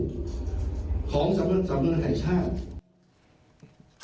ของสำเนินหายชาติ